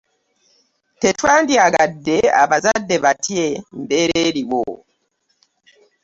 Tetwandyagadde abazadde batye mbeera eriwo.